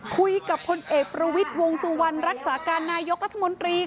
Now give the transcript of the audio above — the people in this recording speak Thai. คุยกับพลเอกประวิทย์วงสุวรรณรักษาการนายกรัฐมนตรี